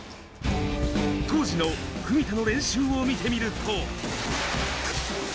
同時の文田の練習を見てみると。